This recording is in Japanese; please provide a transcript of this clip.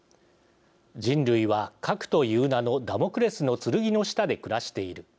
「人類は核という名のダモクレスの剣の下で暮らしている。